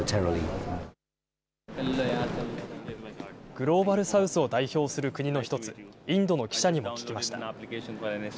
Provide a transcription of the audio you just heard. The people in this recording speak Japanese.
グローバル・サウスを代表する国の一つ、インドの記者にも聞